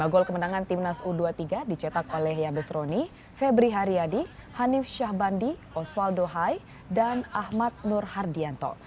lima gol kemenangan timnas u dua puluh tiga dicetak oleh yabes roni febri haryadi hanif syahbandi osvaldo hai dan ahmad nur hardianto